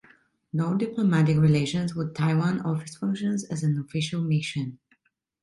No diplomatic relations with Taiwan, Office functions as an unofficial mission.